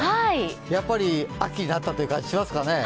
やっぱり秋になったという感じしますかね？